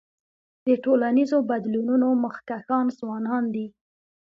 د ټولنیزو بدلونونو مخکښان ځوانان دي.